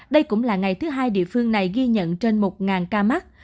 đây cũng là ngày thứ hai địa phương này ghi nhận trên một ca mắc